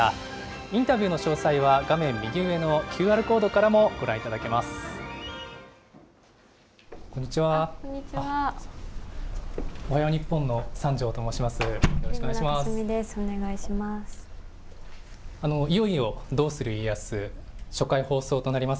インタビューの詳細は、画面右上のＱＲコードからもご覧いただけます。